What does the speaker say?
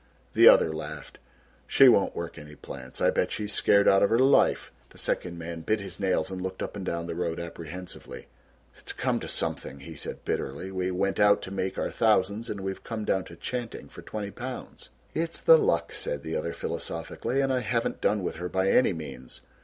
The other laughed. "She won't work any plants. I bet she's scared out of her life." The second man bit his nails and looked up and down the road, apprehensively. "It's come to something," he said bitterly; "we went out to make our thousands and we've come down to 'chanting' for 20 pounds." "It's the luck," said the other philosophically, "and I haven't done with her by any means.